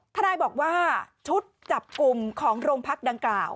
ทนายบอกว่าชุดจับกลุ่มของโรงพักดังกล่าว